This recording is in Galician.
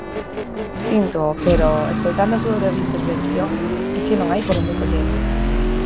Síntoo, pero, escoitando a súa breve intervención, é que non hai por onde collela.